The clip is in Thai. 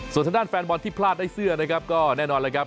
ส่วนทางด้านแฟนบอลที่พลาดได้เสื้อนะครับก็แน่นอนเลยครับ